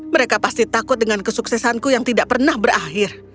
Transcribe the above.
mereka pasti takut dengan kesuksesanku yang tidak pernah berakhir